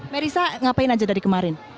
merissa ngapain aja dari kemarin